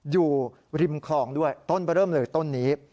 อยู่ริมคลองด้วยต้นไปเริ่มเลยต้นนี้